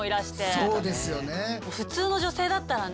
そうですよね。